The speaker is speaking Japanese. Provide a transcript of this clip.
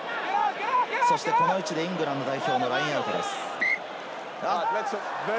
この位置でイングランド代表のラインアウトです。